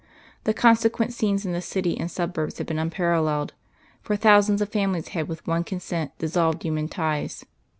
The consequent scenes in the city and suburbs had been unparalleled, for thousands of families had with one consent dissolved human ties.